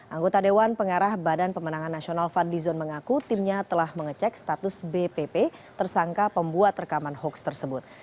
anggota dewan pengarah badan pemenangan nasional fadlizon mengaku timnya telah mengecek status bpp tersangka pembuat rekaman hoax tersebut